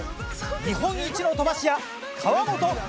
日本一の飛ばし屋河本力